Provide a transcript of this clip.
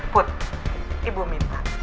put ibu minta